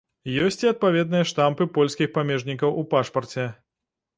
Ёсць і адпаведныя штампы польскіх памежнікаў у пашпарце.